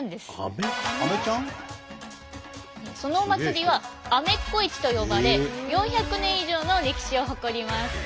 そのお祭りは「アメッコ市」と呼ばれ４００年以上の歴史を誇ります。